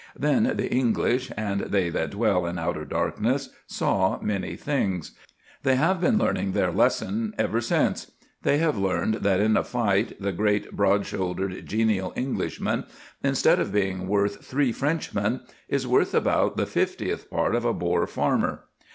Then the English and they that dwell in outer darkness saw many things. They have been learning their lesson ever since. They have learned that in a fight the great, broad shouldered, genial Englishman, instead of being worth three Frenchmen, is worth about the fiftieth part of a Boer farmer.